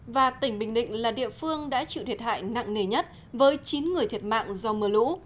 và tỉnh bình định là địa phương đã chịu thiệt hại nặng nề nhất với chín người thiệt mạng do mưa lũ